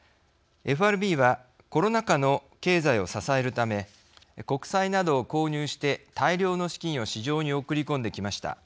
ＦＲＢはコロナ禍の経済を支えるため国債などを購入して大量の資金を市場に送り込んできました。